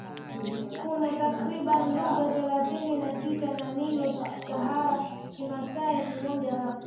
Kuna takriban lugha thelathini na sita za Nilo Sahara Kimasai ni moja wapo